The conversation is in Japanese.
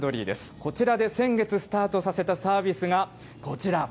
こちらで先月スタートさせたサービスがこちら。